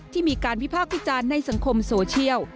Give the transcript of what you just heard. ที่มีการวิพากษ์วิจารณ์ในสังคมโซเชียล